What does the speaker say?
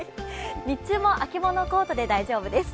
日中も秋物コートで大丈夫です。